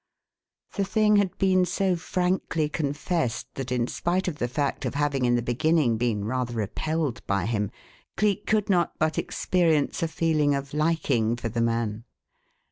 The thing had been so frankly confessed that, in spite of the fact of having in the beginning been rather repelled by him, Cleek could not but experience a feeling of liking for the man.